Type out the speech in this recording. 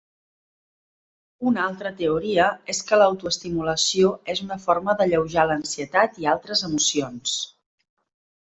Una altra teoria és que l'autoestimulació és una forma d'alleujar l'ansietat i altres emocions.